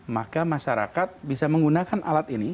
maka masyarakat bisa menggunakan alat ini